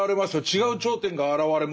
違う頂点が現れますよと。